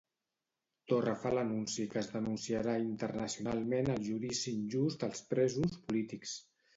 Torra fa l'anunci que es denunciarà internacionalment el judici injust als presos polítics.